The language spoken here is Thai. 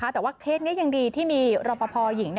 แต่ว่าเคสนี้ยังดีที่มีรอปภหญิง